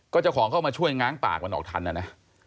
ก็เจ้าของเข้ามาช่วยง้างปากมันออกทันนะนะ